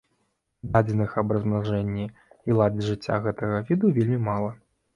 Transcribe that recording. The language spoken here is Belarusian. Дадзеных аб размнажэнні і ладзе жыцця гэтага віду вельмі мала.